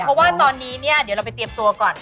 เพราะว่าตอนนี้เนี่ยเดี๋ยวเราไปเตรียมตัวก่อน